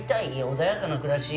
穏やかな暮らし？